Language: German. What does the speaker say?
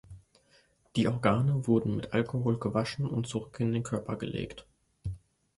Die Organe wurden mit Alkohol gewaschen und zurück in den Körper gelegt.